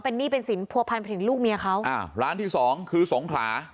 เป็นหนี้เป็นสินผัวพันธุ์เป็นลูกเมียเขาอ่าร้านที่สองคือสงขลา